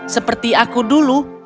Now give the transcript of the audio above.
seperti aku dulu